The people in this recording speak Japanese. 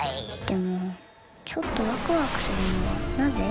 でもちょっとワクワクするのはなぜ？